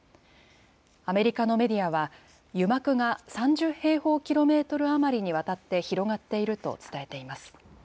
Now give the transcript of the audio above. アメリカのメディアは、油膜が３０平方キロメートル余りにわたって広がっていると伝えています。